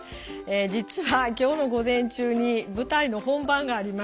実は今日の午前中に舞台の本番がありまして。